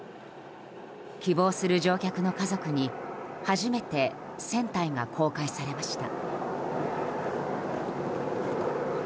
希望する乗客の家族に初めて船体が公開されました。